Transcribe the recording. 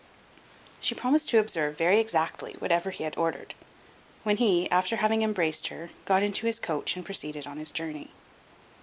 She promised to observe, very exactly, whatever he had ordered; when he, after having embraced her, got into his coach and proceeded on his journey.